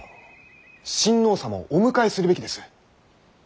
親王様をお迎えするべきです。